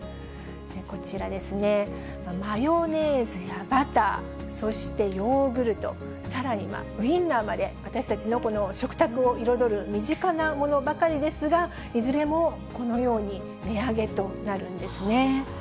こちらですね、マヨネーズやバター、そしてヨーグルト、さらにはウインナーまで、私たちの食卓を彩る身近なものばかりですが、いずれもこのように値上げとなるんですね。